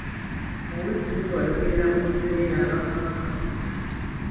Ow’ettulu bw’ayogerera mu bamuzibe y’aba Kabaka.